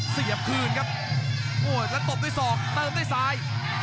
เสียบคืนครับโอ้แล้วตบด้วยศอกเติมด้วยซ้าย